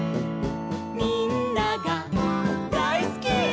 「みんながだいすき！」